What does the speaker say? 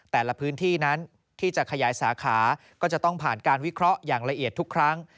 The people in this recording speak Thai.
แต่ละพื้นที่นั้นที่จะขยายสาขาก็จะต้องผ่านการวิเคราะห์อย่างละเอียดทุกครั้ง